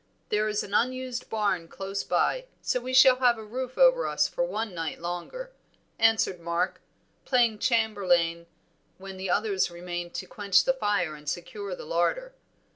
There is an unused barn close by, so we shall have a roof over us for one night longer," answered Mark, playing chamberlain while the others remained to quench the fire and secure the larder.